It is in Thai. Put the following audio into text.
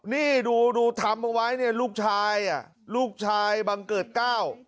นี่ดูทำไว้ลูกชายลูกชายบังเกิดเก้า